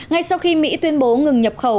ngay sau khi mỹ tuyên bố ngừng nhập khẩu